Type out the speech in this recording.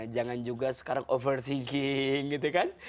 jangan juga sekarang overthinking gitu kan